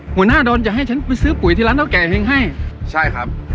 หัวหน้าดอนจะให้ฉันไปซื้อปุ๋ยที่ร้านเท่าแก่เฮงให้ใช่ครับ